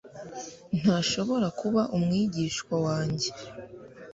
ntashobora kuba umwigishwa wanjye